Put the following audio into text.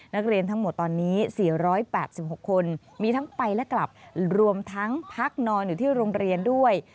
นักเรียนทั้งหมดตอนนี้๔๘๖คนมีทั้งไปและกลับรวมทั้งพักนอนอยู่ที่โรงเรียนด้วย